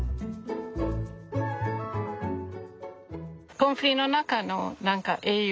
コンフリーの中の何か栄養？